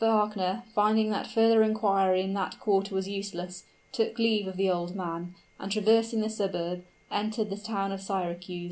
Wagner, finding that further inquiry in that quarter was useless, took leave of the old man, and traversing the suburb, entered the town of Syracuse.